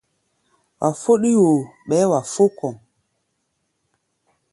Wa fɔ́ɗí woo, ɓɛɛ́ wa fó kɔ̧.